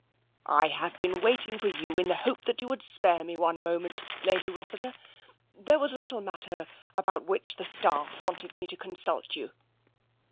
" I've been waiting for you, in the hope that you would spare me one moment, Lady Rossiter. There was a little matter about which the staff wanted me to consult you."